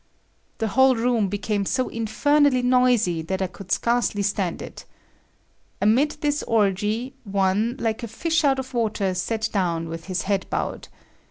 The whole room became so infernally noisy that I could scarcely stand it. Amid this orgy, one, like a fish out of water, sat down with his head bowed.